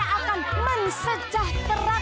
dia udah jangan masuk ke rumah